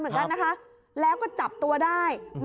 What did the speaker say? ตามไปไปโลเลยแล้วก็จับตัวได้